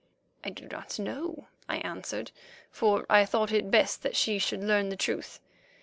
"I do not know," I answered, for I thought it best that she should learn the truth.